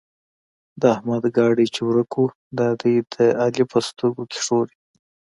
د احمد ګاډی چې ورک وو؛ دا دی د علي په سترګو کې ښوري.